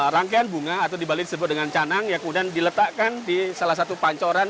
rangkaian bunga atau dibalik sebuah dengan canang yang kemudian diletakkan di salah satu pancoran